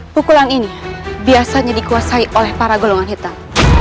pukulan ini biasanya dikuasai oleh para golongan hitam